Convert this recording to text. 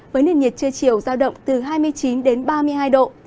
với nền nhiệt chưa chiều giao động từ hai mươi chín đến ba mươi hai độ